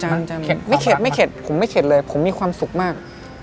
ไม่เข็ดไม่เข็ดผมไม่เข็ดเลยผมมีความสุขมาก